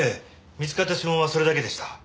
見つかった指紋はそれだけでした。